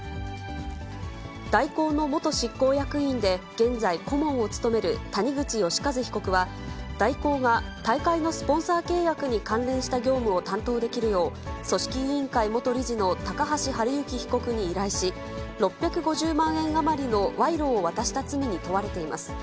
大広の元執行役員で、現在、顧問を務める谷口義一被告は、大広が大会のスポンサー契約に関連した業務を担当できるよう、組織委員会元理事の高橋治之被告に依頼し、６５０万円余りの賄賂を渡した罪に問われています。